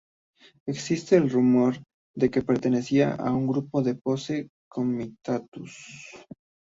Existe el rumor de que pertenecían a un grupo de Posse Comitatus.